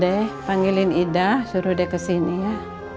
deh panggilin ida suruh deh kesini ya